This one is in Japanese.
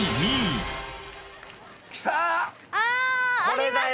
これだよ！